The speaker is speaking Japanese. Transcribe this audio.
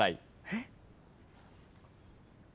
えっ？